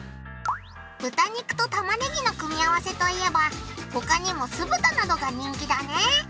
豚肉と玉ねぎの組み合わせといえば他にも酢豚などが人気だね。